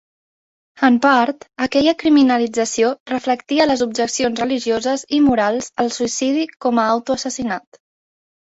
En part, aquella criminalització reflectia les objeccions religioses i morals al suïcidi com a auto-assassinat.